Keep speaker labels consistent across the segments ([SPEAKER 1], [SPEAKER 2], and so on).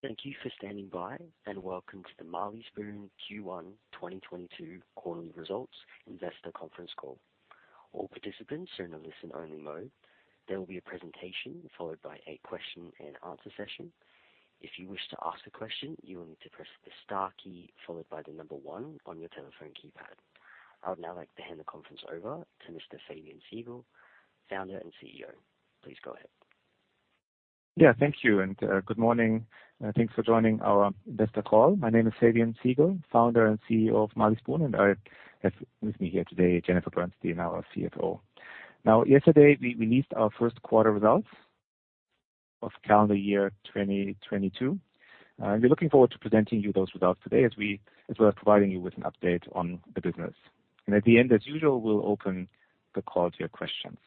[SPEAKER 1] Thank you for standing by, and welcome to the Marley Spoon Q1 2022 Quarterly resultsInvestor Conference Call. All participants are in a listen only mode. There will be a presentation followed by a question and answer session. If you wish to ask a question, you will need to press the star key followed by the number one on your telephone keypad. I would now like to hand the conference over to Mr. Fabian Siegel, Founder and CEO. Please go ahead.
[SPEAKER 2] Yeah, thank you and good morning. Thanks for joining our investor call. My name is Fabian Siegel, Founder and CEO of Marley Spoon, and I have with me here today Jennifer Bernstein, our CFO. Now, yesterday we released our Q1 results of calendar year 2022. We're looking forward to presenting you those results today as well as providing you with an update on the business. At the end, as usual, we'll open the call to your questions.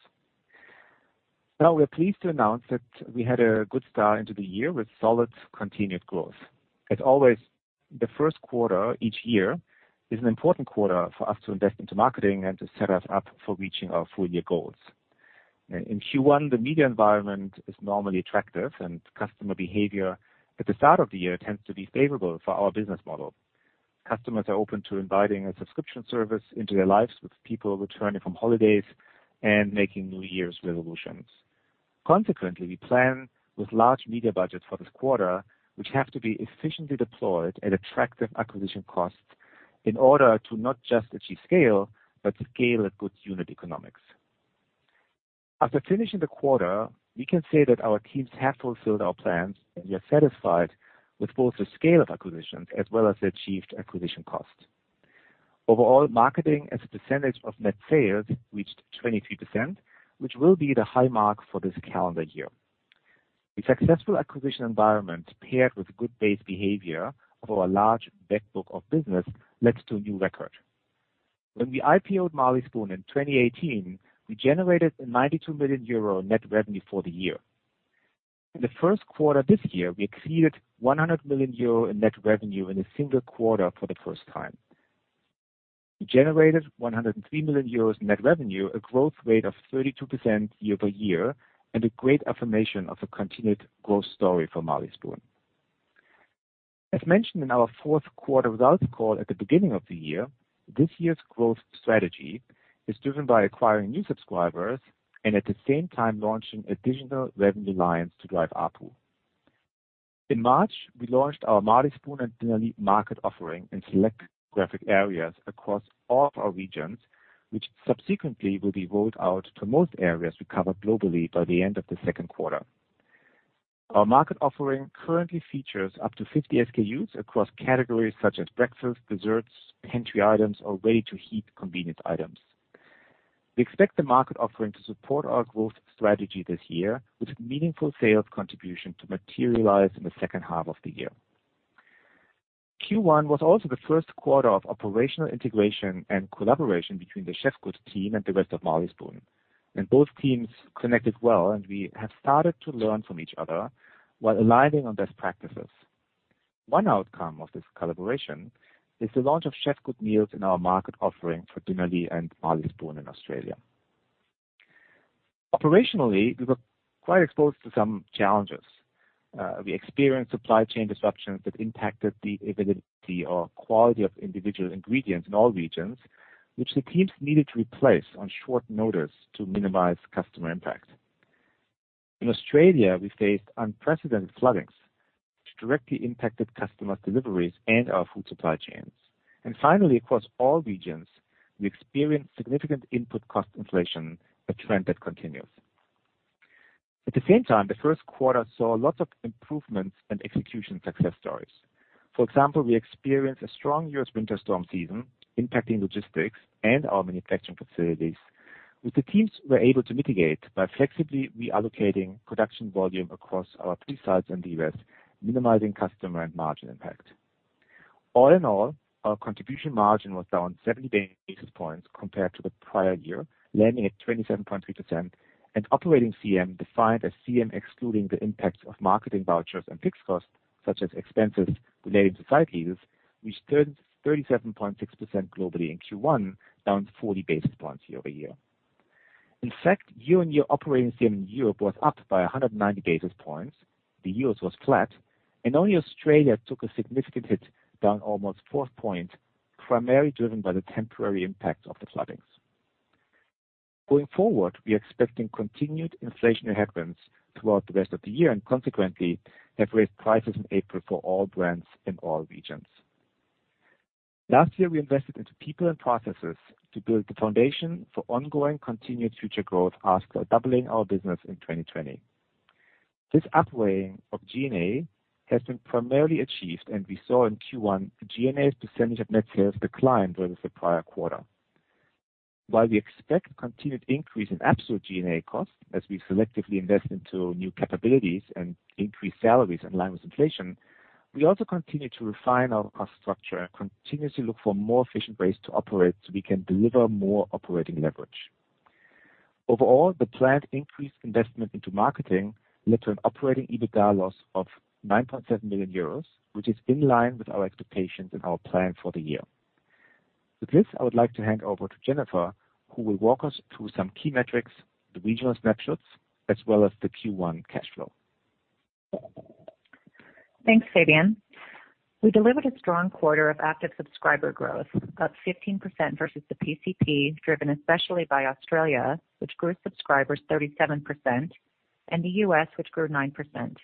[SPEAKER 2] Now, we are pleased to announce that we had a good start into the year with solid continued growth. As always, the Q1 each year is an important quarter for us to invest into marketing and to set us up for reaching our full year goals. In Q1, the media environment is normally attractive, and customer behavior at the start of the year tends to be favorable for our business model. Customers are open to inviting a subscription service into their lives, with people returning from holidays and making New Year's resolutions. Consequently, we plan with large media budgets for this quarter, which have to be efficiently deployed at attractive acquisition costs in order to not just achieve scale, but scale at good unit economics. After finishing the quarter, we can say that our teams have fulfilled our plans, and we are satisfied with both the scale of acquisitions as well as the achieved acquisition costs. Overall, marketing as a percentage of net sales reached 23%, which will be the high mark for this calendar year. The successful acquisition environment, paired with good base behavior of our large back book of business, led to a new record. When we IPO'd Marley Spoon in 2018, we generated 92 million euro net revenue for the year. In the Q1 this year, we exceeded 100 million euro in net revenue in a single quarter for the first time. We generated 103 million euros net revenue, a growth rate of 32% year-over-year, and a great affirmation of a continued growth story for Marley Spoon. As mentioned in our Q4 results call at the beginning of the year, this year's growth strategy is driven by acquiring new subscribers and at the same time launching additional revenue lines to drive ARPU. In March, we launched our Marley Spoon and Dinnerly market offering in select geographic areas across all of our regions, which subsequently will be rolled out to most areas we cover globally by the end of the second quarter. Our market offering currently features up to 50 SKUs across categories such as breakfast, desserts, pantry items or ready to heat convenient items. We expect the market offering to support our growth strategy this year, with meaningful sales contribution to materialize in the second half of the year. Q1 was also the Q1 of operational integration and collaboration between the Chefgood team and the rest of Marley Spoon. Both teams connected well, and we have started to learn from each other while aligning on best practices. One outcome of this collaboration is the launch of Chefgood meals in our market, offerings for Dinnerly and Marley Spoon in Australia. Operationally, we were quite exposed to some challenges. We experienced supply chain disruptions that impacted the availability or quality of individual ingredients in all regions which the teams needed to replace on short notice to minimize customer impact. In Australia, we faced unprecedented floodings which directly impacted customers deliveries and our food supply chains. Finally, across all regions, we experienced significant input cost inflation, a trend that continues. At the same time, the Q1 saw lots of improvements and execution success stories. For example, we experienced a strong U.S. winter storm season impacting logistics and our manufacturing facilities, which the teams were able to mitigate by flexibly reallocating production volume across our three sites in the U.S., minimizing customer and margin impact. All in all, our contribution margin was down 70 basis points compared to the prior year, landing at 27.3% and operating CM, defined as CM, excluding the impact of marketing vouchers and fixed costs such as expenses relating to site leases, reached 37.6% globally in Q1, down 40 basis points year-over-year. In fact, year-over-year operating CM in Europe was up by 190 basis points. The US was flat and only Australia took a significant hit, down almost 4 points, primarily driven by the temporary impact of the floodings. Going forward, we are expecting continued inflationary headwinds throughout the rest of the year and consequently have raised prices in April for all brands in all regions. Last year, we invested into people and processes to build the foundation for ongoing, continued future growth after doubling our business in 2020. This up-weighing of G&A has been primarily achieved, and we saw in Q1 G&A's percentage of net sales decline versus the prior quarter. While we expect continued increase in absolute G&A costs as we selectively invest into new capabilities and increase salaries in line with inflation, we also continue to refine our cost structure and continuously look for more efficient ways to operate so we can deliver more operating leverage. Overall, the planned increased investment into marketing led to an operating EBITDA loss of 9.7 million euros, which is in line with our expectations and our plan for the year. With this, I would like to hand over to Jennifer, who will walk us through some key metrics, the regional snapshots, as well as the Q1 cash flow.
[SPEAKER 3] Thanks, Fabian. We delivered a strong quarter of active subscriber growth, up 15% versus the PCP, driven especially by Australia, which grew subscribers 37%, and the US, which grew 9%.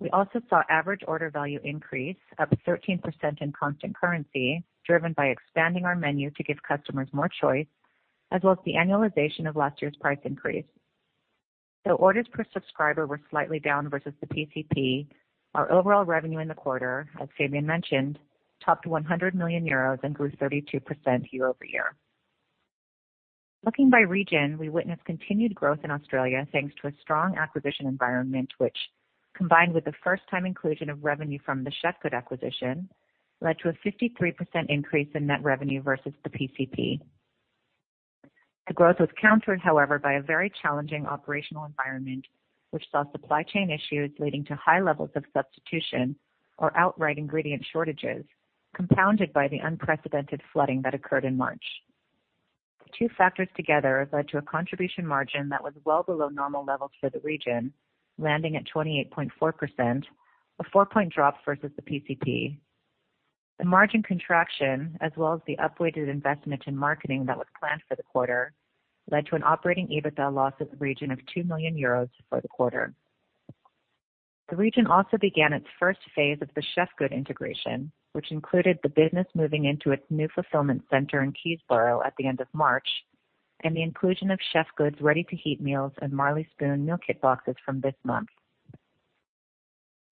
[SPEAKER 3] We also saw average order value increase up 13% in constant currency, driven by expanding our menu to give customers more choice, as well as the annualization of last year's price increase. Though orders per subscriber were slightly down versus the PCP, our overall revenue in the quarter, as Fabian mentioned, topped 100 million euros and grew 32% year-over-year. Looking by region, we witnessed continued growth in Australia thanks to a strong acquisition environment, which, combined with the first time inclusion of revenue from the Chefgood acquisition, led to a 53% increase in net revenue versus the PCP. The growth was countered, however, by a very challenging operational environment, which saw supply chain issues leading to high levels of substitution or outright ingredient shortages, compounded by the unprecedented flooding that occurred in March. The two factors together led to a contribution margin that was well below normal levels for the region, landing at 28.4%, a 4-point drop versus the PCP. The margin contraction, as well as the upweighted investment in marketing that was planned for the quarter, led to an operating EBITDA loss of the region of 2 million euros for the quarter. The region also began its first phase of the Chefgood integration, which included the business moving into its new fulfillment center in Keysborough at the end of March, and the inclusion of Chefgood's ready-to-heat meals and Marley Spoon meal kit boxes from this month.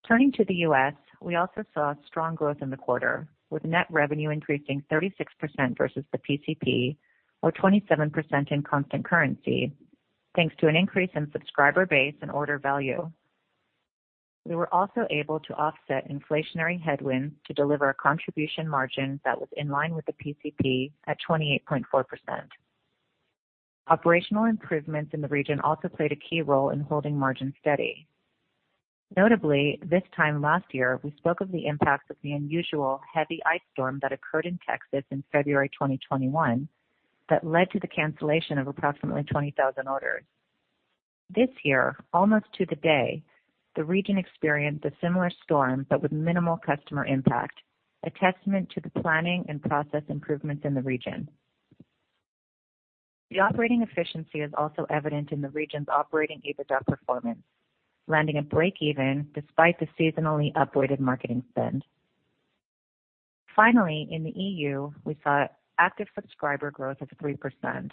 [SPEAKER 3] Turning to the US, we also saw strong growth in the quarter, with net revenue increasing 36% versus the PCP, or 27% in constant currency, thanks to an increase in subscriber base and order value. We were also able to offset inflationary headwinds to deliver a contribution margin that was in line with the PCP at 28.4%. Operational improvements in the region also played a key role in holding margin steady. Notably, this time last year, we spoke of the impacts of the unusual heavy ice storm that occurred in Texas in February 2021 that led to the cancellation of approximately 20,000 orders. This year, almost to the day, the region experienced a similar storm, but with minimal customer impact, a testament to the planning and process improvements in the region. The operating efficiency is also evident in the region's operating EBITDA performance, landing at breakeven despite the seasonally upweighted marketing spend. Finally, in the EU, we saw active subscriber growth of 3%,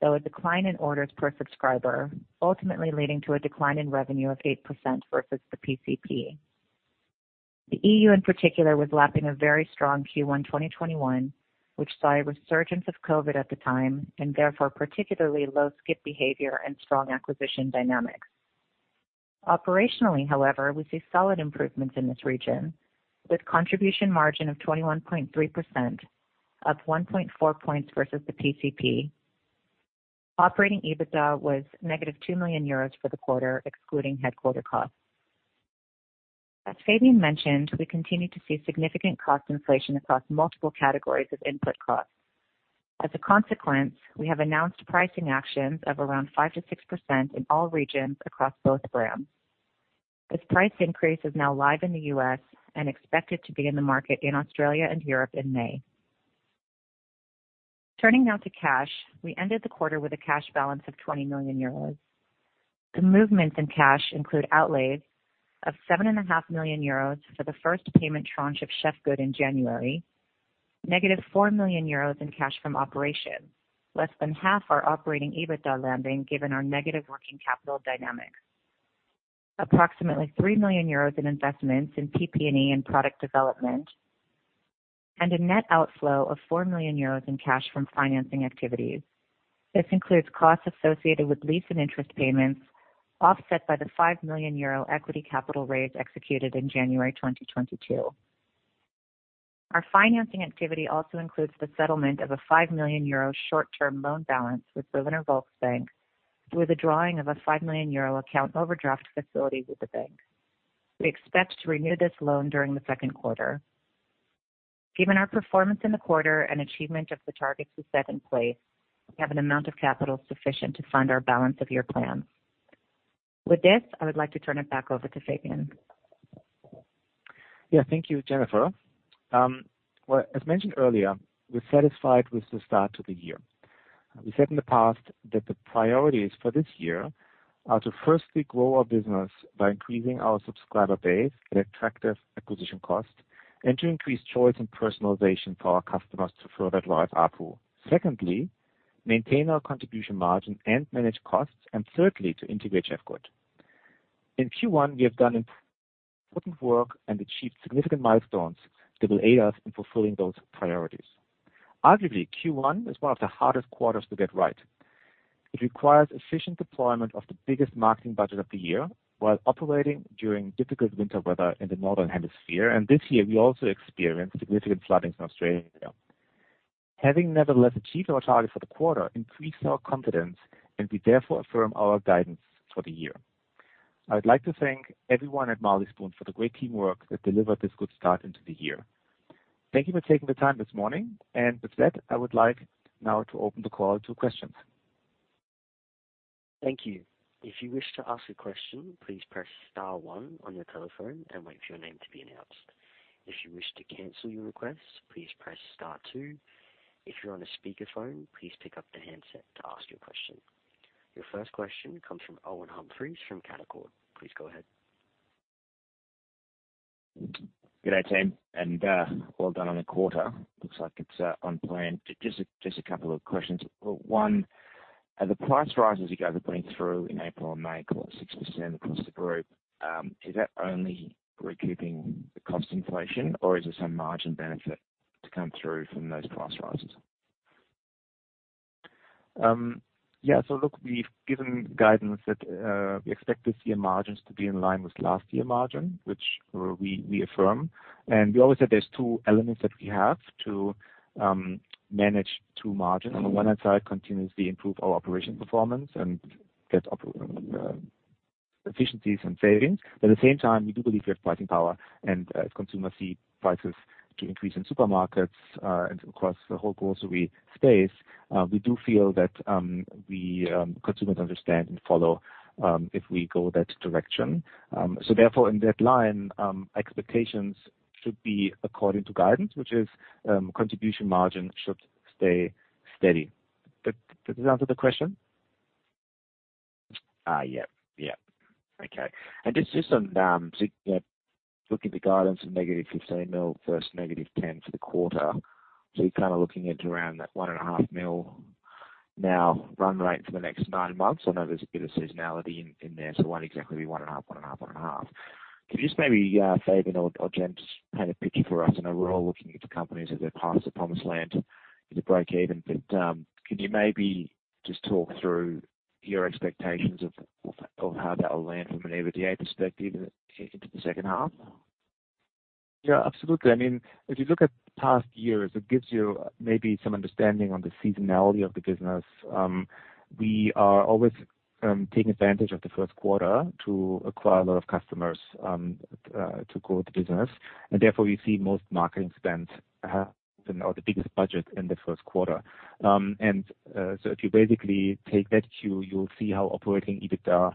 [SPEAKER 3] though a decline in orders per subscriber, ultimately leading to a decline in revenue of 8% versus the PCP. The EU in particular was lapping a very strong Q1 2021, which saw a resurgence of COVID at the time and therefore particularly low skip behavior and strong acquisition dynamics. Operationally, however, we see solid improvements in this region with contribution margin of 21.3%, up 1.4 points versus the PCP. Operating EBITDA was -2 million euros for the quarter, excluding headquarters costs. As Fabian mentioned, we continue to see significant cost inflation across multiple categories of input costs. As a consequence, we have announced pricing actions of around 5%-6% in all regions across both brands. This price increase is now live in the US and expected to be in the market in Australia and Europe in May. Turning now to cash. We ended the quarter with a cash balance of 20 million euros. The movements in cash include outlays of seven and a half million euros for the first payment tranche of Chefgood in January, negative 4 million euros in cash from operations, less than half our operating EBITDA landing, given our negative working capital dynamics. Approximately 3 million euros in investments in PP&E and product development, and a net outflow of 4 million euros in cash from financing activities. This includes costs associated with lease and interest payments, offset by the 5 million euro equity capital raise executed in January 2022. Our financing activity also includes the settlement of a 5 million euro short-term loan balance with Berliner Volksbank, with a drawing of a 5 million euro account overdraft facility with the bank. We expect to renew this loan during the second quarter. Given our performance in the quarter and achievement of the targets we set in place, we have an amount of capital sufficient to fund our balance of year plan. With this, I would like to turn it back over to Fabian.
[SPEAKER 2] Yeah. Thank you, Jennifer. Well, as mentioned earlier, we're satisfied with the start to the year. We said in the past that the priorities for this year are to, firstly, grow our business by increasing our subscriber base at attractive acquisition costs and to increase choice and personalization for our customers to further drive ARPU. Secondly, maintain our contribution margin and manage costs, and thirdly, to integrate Chefgood. In Q1, we have done important work and achieved significant milestones that will aid us in fulfilling those priorities. Arguably, Q1 is one of the hardest quarters to get right. It requires efficient deployment of the biggest marketing budget of the year while operating during difficult winter weather in the Northern Hemisphere. This year, we also experienced significant floodings in Australia. Having nevertheless achieved our target for the quarter increased our confidence, and we therefore affirm our guidance for the year. I would like to thank everyone at Marley Spoon for the great teamwork that delivered this good start into the year. Thank you for taking the time this morning. With that, I would like now to open the call to questions.
[SPEAKER 1] Thank you. If you wish to ask a question, please press star one on your telephone and wait for your name to be announced. If you wish to cancel your request, please press star two. If you're on a speakerphone, please pick up the handset to ask your question. Your first question comes from Owen Humphries from Canaccord Genuity. Please go ahead.
[SPEAKER 4] Good day, team, and well done on the quarter. Looks like it's on plan. Just a couple of questions. One, are the price rises you guys are putting through in April and May, call it 6% across the group, is that only recouping the cost inflation or is there some margin benefit to come through from those price rises?
[SPEAKER 2] Yeah. Look, we've given guidance that we expect to see our margins to be in line with last year margin, which we affirm. We always said there's two elements that we have to manage two margins. On the one hand side, continuously improve our operation performance and get efficiencies and savings. At the same time, we do believe we have pricing power. As consumers see prices to increase in supermarkets and across the whole grocery space, we do feel that consumers understand and follow if we go that direction. Therefore, in that line, expectations should be according to guidance, which is contribution margin should stay steady. Did that answer the question?
[SPEAKER 4] Yep. Yep. Okay. Just on you know, looking at the guidance of -15 million versus -10 million for the quarter. You're kinda looking at around that 1.5 million now run rate for the next nine months. I know there's a bit of seasonality in there, so it won't exactly be one and a half, one and a half, one and a half. Could you just maybe Fabian or Jennifer paint a picture for us? I know we're all looking at the companies as they pass the promised land to break even. Could you just talk through your expectations of how that will land from an EBITDA perspective into the second half?
[SPEAKER 2] Yeah, absolutely. I mean, if you look at past years, it gives you maybe some understanding on the seasonality of the business. We are always taking advantage of the Q1 to acquire a lot of customers to grow the business. Therefore, we see most marketing spend, you know, the biggest budget in the Q1. If you basically take that cue, you'll see how operating EBITDA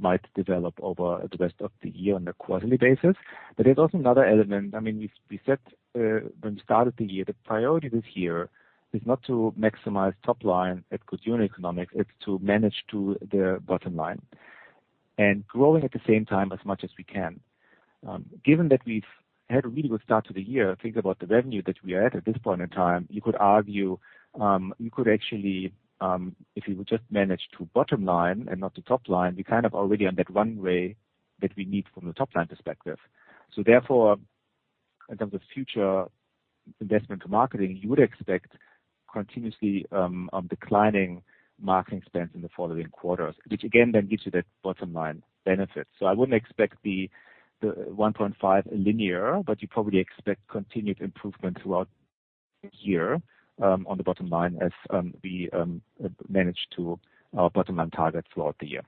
[SPEAKER 2] might develop over the rest of the year on a quarterly basis. There's also another element. I mean, we said when we started the year, the priority this year is not to maximize top line at good unit economics, it's to manage to the bottom line and growing at the same time as much as we can. Given that we've had a really good start to the year, think about the revenue that we are at this point in time, you could argue, you could actually, if you would just manage to bottom line and not the top line, we kind of already on that runway that we need from a top-line perspective. Therefore, in terms of future investment to marketing, you would expect continuously declining marketing spends in the following quarters, which again then gives you that bottom line benefit. I wouldn't expect the 1.5% linear, but you probably expect continued improvement throughout the year on the bottom line as we manage to our bottom line target throughout the year.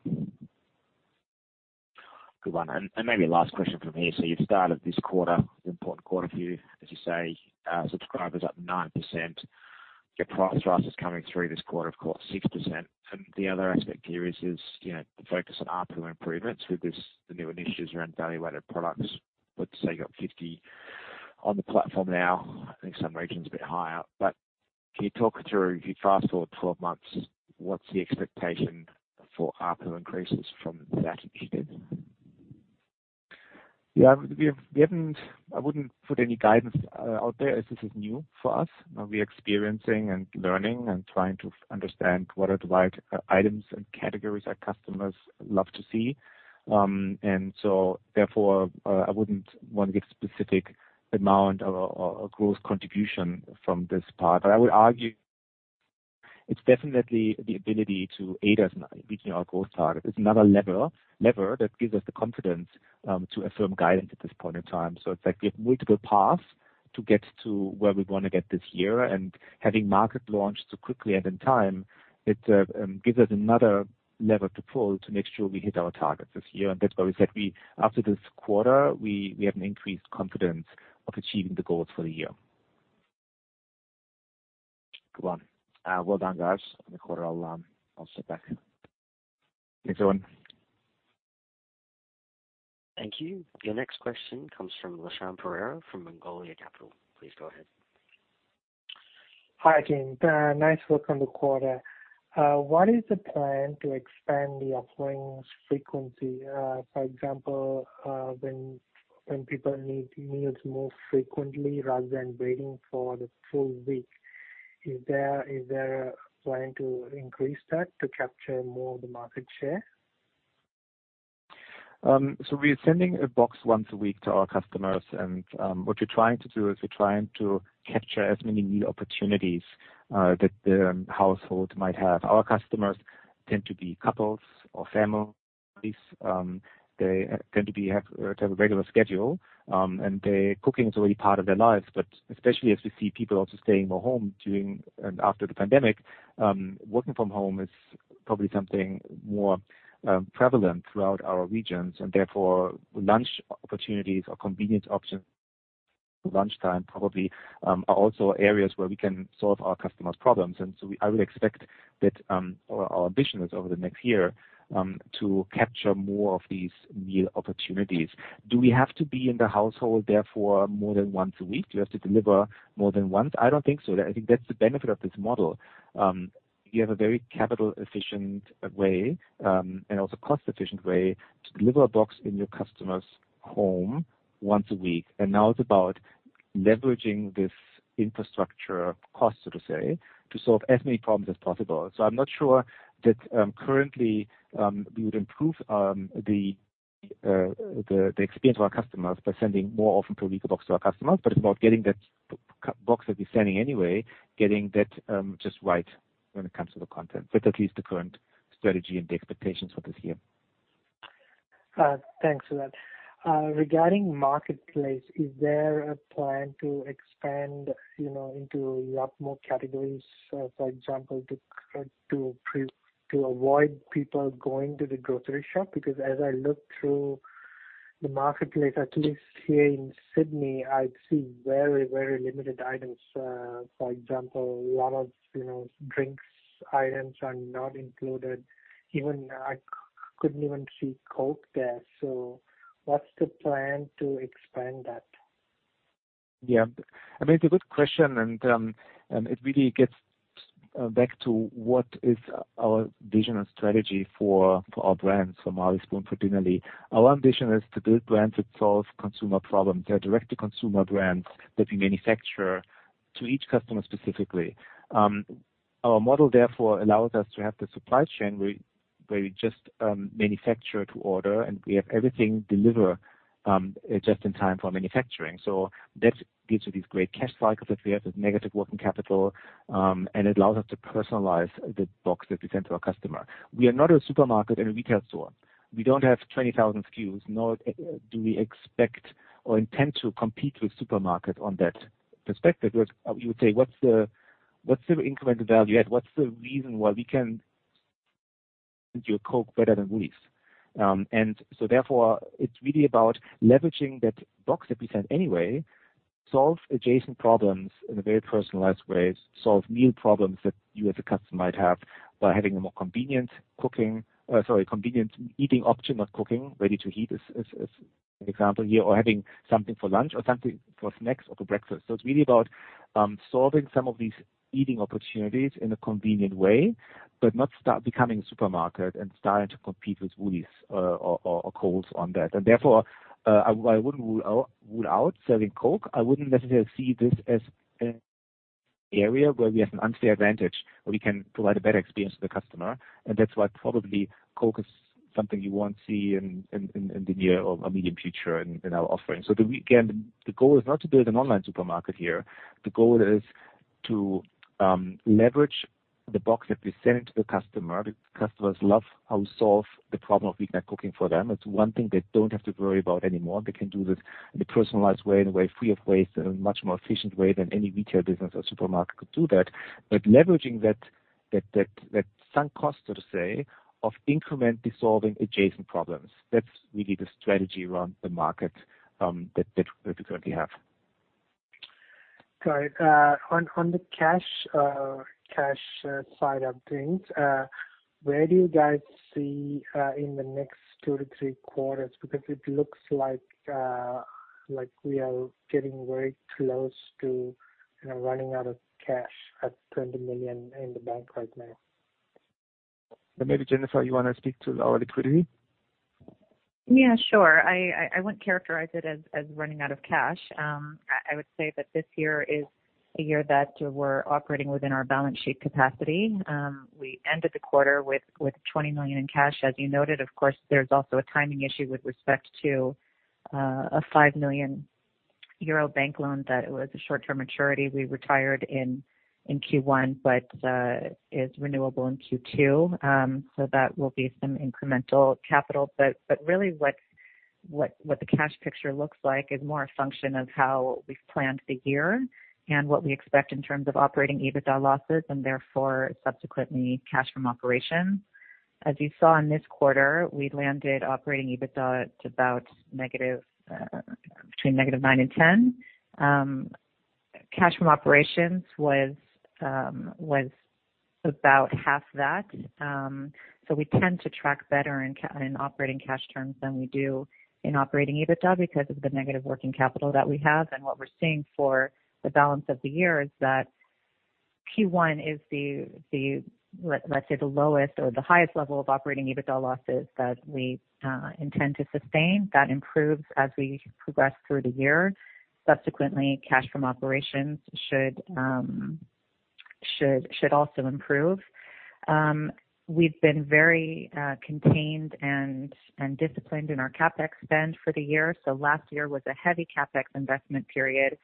[SPEAKER 4] Good one. Maybe last question from me. You've started this quarter, important quarter for you. As you say, subscribers up 9%. Your price rise is coming through this quarter, of course, 6%. The other aspect here is, you know, the focus on ARPU improvements with this, the new initiatives around value-added products. Let's say you got 50 on the platform now. I think some regions a bit higher. Can you talk through, if you fast-forward 12 months, what's the expectation for ARPU increases from that initiative?
[SPEAKER 2] Yeah. I wouldn't put any guidance out there as this is new for us. We're experiencing and learning and trying to understand what are the right items and categories that customers love to see. Therefore, I wouldn't want to give specific amount or growth contribution from this part. I would argue it's definitely the ability to aid us in reaching our growth target. It's another lever that gives us the confidence to affirm guidance at this point in time. It's like we have multiple paths to get to where we wanna get this year and having market launch so quickly and in time gives us another lever to pull to make sure we hit our targets this year. That's why we said after this quarter, we have an increased confidence of achieving the goals for the year.
[SPEAKER 4] Good one. Well done, guys, on the quarter. I'll step back.
[SPEAKER 2] Thanks, Owen.
[SPEAKER 1] Thank you. Your next question comes from Lashan Perera from Morgans Financial. Please go ahead.
[SPEAKER 5] Hi, team. Nice work on the quarter. What is the plan to expand the offerings frequency? For example, when people need meals more frequently rather than waiting for the full week. Is there a plan to increase that to capture more of the market share?
[SPEAKER 2] We are sending a box once a week to our customers. What we're trying to do is we're trying to capture as many meal opportunities that the household might have. Our customers tend to be couples or families. They tend to have a regular schedule, and cooking is already part of their lives. Especially as we see people also staying more at home during and after the pandemic, working from home is probably something more prevalent throughout our regions and therefore lunch opportunities or convenient options at lunchtime probably are also areas where we can solve our customers' problems. I would expect that our ambition is over the next year to capture more of these meal opportunities. Do we have to be in the household therefore more than once a week? Do you have to deliver more than once? I don't think so. I think that's the benefit of this model. You have a very capital efficient way, and also cost efficient way to deliver a box in your customer's home once a week. Now it's about leveraging this infrastructure cost, so to say, to solve as many problems as possible. I'm not sure that currently we would improve the experience of our customers by sending more often per week a box to our customers. It's about getting that box that we're sending anyway, getting that just right when it comes to the content. That's at least the current strategy and the expectations for this year.
[SPEAKER 5] Thanks for that. Regarding marketplace, is there a plan to expand, you know, into a lot more categories, for example, to avoid people going to the grocery shop? Because as I look through the marketplace, at least here in Sydney, I see very, very limited items. For example, a lot of, you know, drinks items are not included. Even I couldn't even see Coke there. So what's the plan to expand that?
[SPEAKER 2] Yeah. I mean, it's a good question and it really gets back to what is our vision and strategy for our brands, for Marley Spoon particularly. Our ambition is to build brands that solve consumer problems. They are direct-to-consumer brands that we manufacture to each customer specifically. Our model, therefore, allows us to have the supply chain where we just manufacture to order, and we have everything deliver just in time for manufacturing. That gives you these great cash cycles that we have with negative working capital, and it allows us to personalize the box that we send to our customer. We are not a supermarket and a retail store. We don't have 20,000 SKUs, nor do we expect or intend to compete with supermarket on that perspective. You would say, what's the incremental value add? What's the reason why we can do Coke better than Woolies? Therefore, it's really about leveraging that box that we send anyway, solve adjacent problems in a very personalized way, solve meal problems that you as a customer might have by having a more convenient eating option, not cooking. Ready-to-heat is an example here, or having something for lunch or something for snacks or for breakfast. It's really about solving some of these eating opportunities in a convenient way, but not start becoming a supermarket and starting to compete with Woolies or Coles on that. Therefore, I wouldn't rule out selling Coke. I wouldn't necessarily see this as an area where we have an unfair advantage, where we can provide a better experience to the customer. That's why probably Coke is something you won't see in the near or immediate future in our offering. The goal is not to build an online supermarket here. The goal is to leverage the box that we're sending to the customer. The customers love how we solve the problem of weeknight cooking for them. It's one thing they don't have to worry about anymore. They can do it in a personalized way, in a way free of waste, in a much more efficient way than any retail business or supermarket could do that. Leveraging that sunk cost, so to say, of incrementally solving adjacent problems, that's really the strategy around the market that we currently have.
[SPEAKER 5] Got it. On the cash side of things, where do you guys see in the next two to three quarters? Because it looks like we are getting very close to, you know, running out of cash at 20 million in the bank right now.
[SPEAKER 2] Maybe, Jennifer, you wanna speak to our liquidity?
[SPEAKER 3] Yeah, sure. I wouldn't characterize it as running out of cash. I would say that this year is a year that we're operating within our balance sheet capacity. We ended the quarter with 20 million in cash. As you noted, of course, there's also a timing issue with respect to a 5 million euro bank loan that was a short-term maturity we retired in Q1, but is renewable in Q2. So that will be some incremental capital. Really what the cash picture looks like is more a function of how we've planned the year and what we expect in terms of operating EBITDA losses and therefore subsequently cash from operations. As you saw in this quarter, we landed operating EBITDA at about negative between -nine and -10. Cash from operations was about half that. We tend to track better in operating cash terms than we do in operating EBITDA because of the negative working capital that we have. What we're seeing for the balance of the year is that Q1 is, let's say, the lowest or the highest level of operating EBITDA losses that we intend to sustain. That improves as we progress through the year. Subsequently, cash from operations should also improve. We've been very contained and disciplined in our CapEx spend for the year. Last year was a heavy CapEx investment period,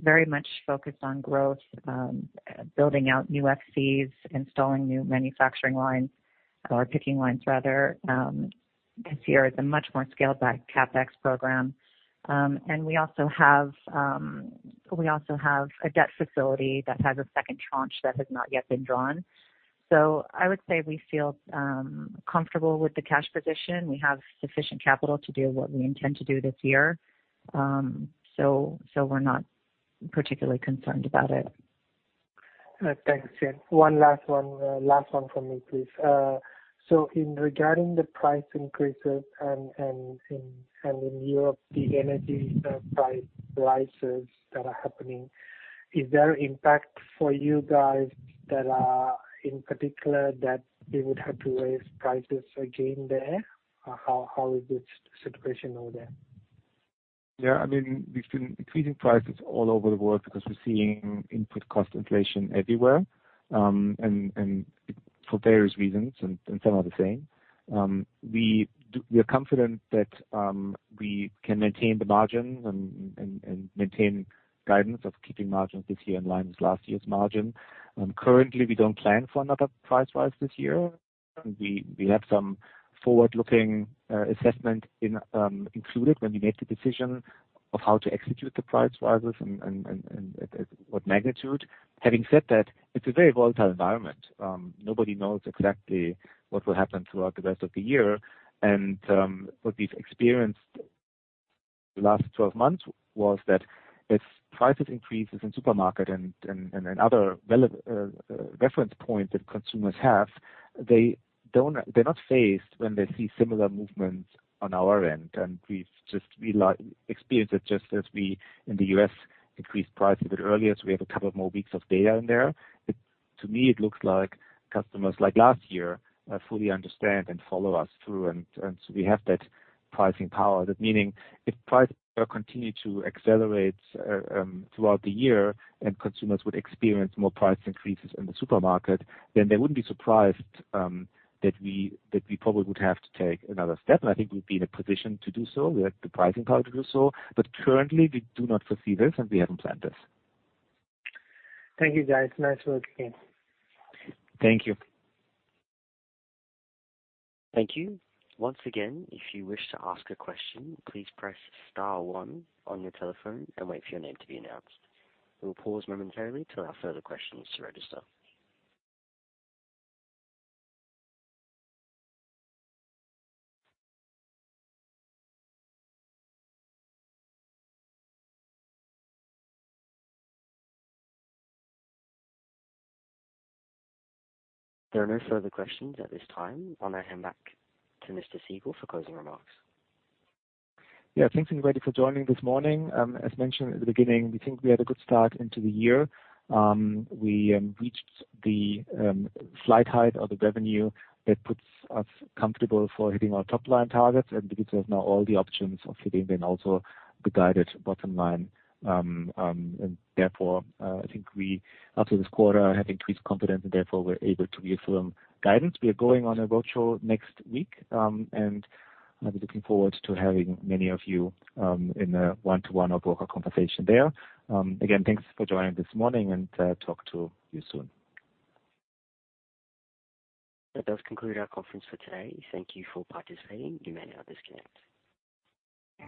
[SPEAKER 3] very much focused on growth, building out new FCs, installing new manufacturing lines or picking lines rather. This year it's a much more scaled back CapEx program. We also have a debt facility that has a second tranche that has not yet been drawn. I would say we feel comfortable with the cash position. We have sufficient capital to do what we intend to do this year. We're not particularly concerned about it.
[SPEAKER 5] Thanks. One last one for me, please. Regarding the price increases and in Europe, the energy price rises that are happening, is there impact for you guys in particular that you would have to raise prices again there? Or how is the situation over there?
[SPEAKER 2] Yeah, I mean, we've seen increasing prices all over the world because we're seeing input cost inflation everywhere, and for various reasons and some are the same. We are confident that we can maintain the margins and maintain guidance of keeping margins this year in line with last year's margin. Currently we don't plan for another price rise this year. We have some forward-looking assessment included when we made the decision of how to execute the price rises and at what magnitude. Having said that, it's a very volatile environment. Nobody knows exactly what will happen throughout the rest of the year. What we've experienced the last 12 months was that if price increases in supermarket and other reference point that consumers have, they're not fazed when they see similar movements on our end. We've experienced it just as we in the US increased price a bit earlier, so we have a couple more weeks of data in there. To me, it looks like customers, like last year, fully understand and follow us through, and so we have that pricing power. That meaning if prices continue to accelerate throughout the year and consumers would experience more price increases in the supermarket, then they wouldn't be surprised that we probably would have to take another step. I think we'd be in a position to do so. We have the pricing power to do so. Currently we do not foresee this, and we haven't planned this.
[SPEAKER 5] Thank you, guys. Nice working.
[SPEAKER 2] Thank you.
[SPEAKER 1] Thank you. Once again, if you wish to ask a question, please press star one on your telephone and wait for your name to be announced. We will pause momentarily to allow further questions to register. There are no further questions at this time. I'll now hand back to Mr. Siegel for closing remarks.
[SPEAKER 2] Yeah. Thanks, everybody, for joining this morning. As mentioned at the beginning, we think we had a good start into the year. We reached the full height of the revenue that puts us comfortable for hitting our top-line targets and gives us now all the options of hitting then also the guided bottom line. Therefore, I think we after this quarter have increased confidence and therefore we're able to reaffirm guidance. We are going on a virtual next week, and I'll be looking forward to having many of you in a one-to-one or broker conversation there. Again, thanks for joining this morning and talk to you soon.
[SPEAKER 1] That does conclude our conference for today. Thank you for participating. You may now disconnect.